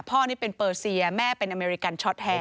พ่อนี่เป็นเปอร์เซียแม่เป็นอเมริกันช็อตแฮน